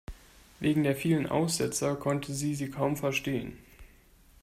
Wegen der vielen Aussetzer konnte sie sie kaum verstehen.